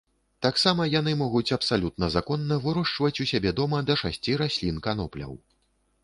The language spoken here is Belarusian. Таксама яны могуць абсалютна законна вырошчваць у сябе дома да шасці раслін канопляў.